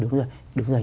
vâng đúng rồi